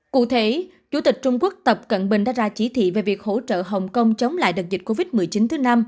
cụ thể chủ tịch trung quốc tập cận bình đã ra chỉ thị về việc hỗ trợ hồng kông chống lại đợt dịch covid một mươi chín thứ năm